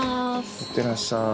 いってらっしゃい。